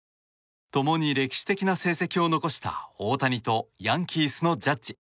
共に歴史的な成績を残した大谷とヤンキースのジャッジ。